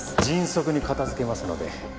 迅速に片付けますので。